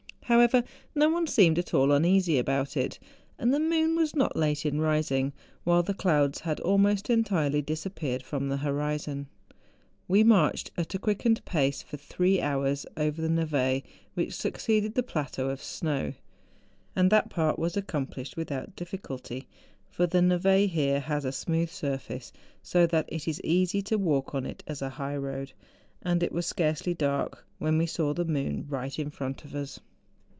However, no one seemed at all uneasy about it, and the moon was not late in rising, while the clouds had almost entirely disappeared from the horizon. We marched at a quickened pace for three hours over the nh^e which succeeded the plateau of snow; and that part was accomplished without difficulty, for the neve here has a smooth surface, so that it is as easy to walk on it as on a highroad. And it was scarcely dark when we saw the moon right in front of us.